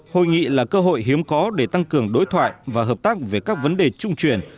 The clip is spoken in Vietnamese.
hội nghị là cơ hội hiếm có để tăng cường đối thoại và hợp tác về các vấn đề trung truyền